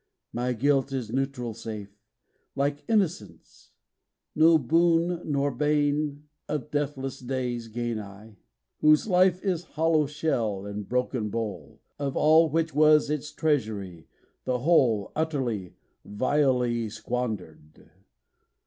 My guilt is neutral safe, like innocence: No boon nor bane of deathless days gain I, 'Whose life is hollow shell and broken bowl, Of all which was its treasury, the whole Utterly, vilely squandered.